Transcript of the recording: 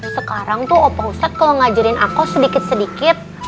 sekarang tuh opo ustadz kalau ngajarin aku sedikit sedikit